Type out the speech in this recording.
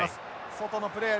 外のプレー。